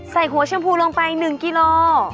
ใส่หัวชมพูลงไป๑กิโล